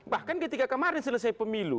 bahkan ketika kemarin selesai pemilu